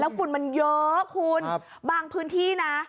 ฝุ่นมันเยอะคุณบางพื้นที่นะ